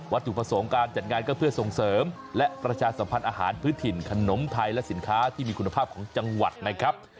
ถูกประสงค์การจัดงานก็เพื่อส่งเสริมและประชาสัมพันธ์อาหารพื้นถิ่นขนมไทยและสินค้าที่มีคุณภาพของจังหวัดนะครับ